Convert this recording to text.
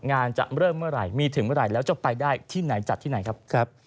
จะเริ่มเมื่อไหร่มีถึงเมื่อไหร่แล้วจะไปได้ที่ไหนจัดที่ไหนครับ